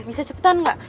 bisa cepetan gak